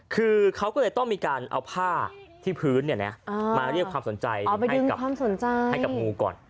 คือเขาก็เลยต้องมีการเอาผ้าที่พื้นมาเรียกความสนใจให้กับงูก่อน